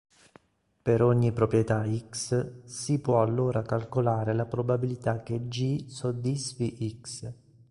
Per ogni proprietà "X" si può allora calcolare la probabilità che "G" soddisfi "X".